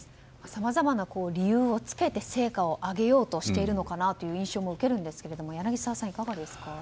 さまざまな理由をつけて成果を上げようとしているように見えますが柳澤さん、いかがですか。